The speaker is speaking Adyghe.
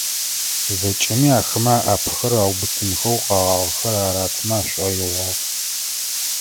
ЗэкӀэми ахэмэ alaпэхэр аубытыхэу, къэгъагъэхэр аратымэ ашӀоигъуагъ.